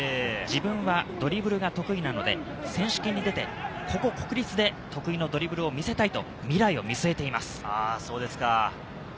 自分はドリブルが得意なので、選手権に出て、ここ国立で得意のドリブルを見せたいと未来を見据えています。